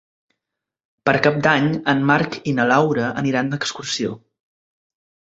Per Cap d'Any en Marc i na Laura aniran d'excursió.